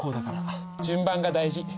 順番が大事。